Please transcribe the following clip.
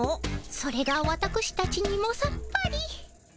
それがわたくしたちにもさっぱり。